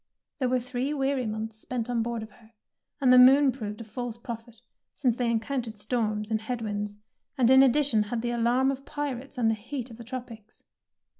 There were three weary months spent on board of her, and the moon proved a false prophet, since they encountered storms and head winds, and in addition had the alarm of pirates and the heat of the tropics.